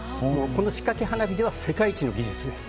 この仕掛け花火では世界一の技術です。